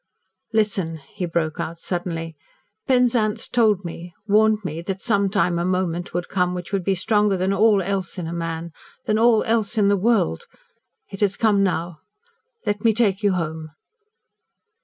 "Listen," he broke out suddenly. "Penzance told me warned me that some time a moment would come which would be stronger than all else in a man than all else in the world. It has come now. Let me take you home."